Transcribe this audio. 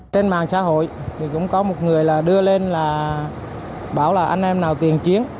trên mạng xã hội thì cũng có một người là đưa lên là bảo là anh em nào tiền chiến